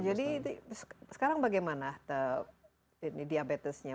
jadi sekarang bagaimana diabetisnya